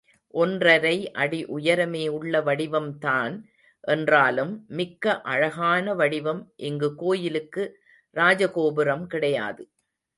ஒன்றரை அடி உயரமே உள்ள வடிவம்தான் என்றாலும் மிக்க அழகான வடிவம் இங்கு கோயிலுக்கு ராஜ கோபுரம் கிடையாது.